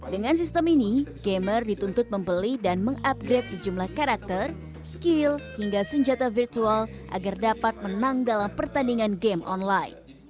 dengan sistem ini gamer dituntut membeli dan mengupgrade sejumlah karakter skill hingga senjata virtual agar dapat menang dalam pertandingan game online